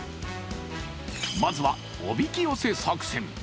まずは、おびき寄せ作戦。